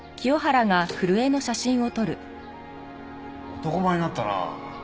男前になったなあ。